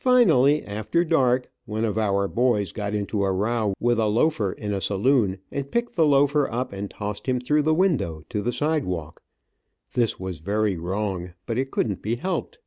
Finally, after dark, one of our boys got into a row with a loafer in a saloon, and picked the loafer up and tossed him through the window, to the sidewalk. This was very wrong, but it couldn't be helped.